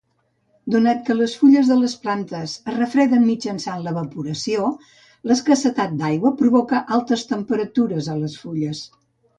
Donat que les fulles de les plantes es refreden mitjançant l"evaporació, l"escassetat d'aigua provoca altes temperatures a les fulles.